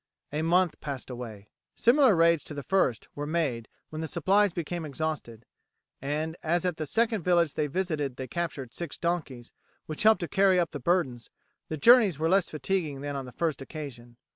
A month passed away. Similar raids to the first were made when the supplies became exhausted, and as at the second village they visited they captured six donkeys, which helped to carry up the burdens, the journeys were less fatiguing than on the first occasion.